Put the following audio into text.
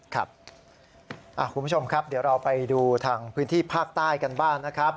คุณผู้ชมครับเดี๋ยวเราไปดูทางพื้นที่ภาคใต้กันบ้างนะครับ